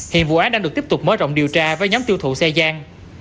hiện vụ án đang được tiếp tục mở rộng điều tra với nhóm tiêu thụ xe gian